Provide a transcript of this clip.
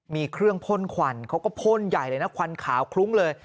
มีเครื่องพ่นควันเขาก็พ่นใหญ่เลยนะควันขาวคลุ้งเลย